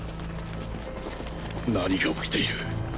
何が起きている。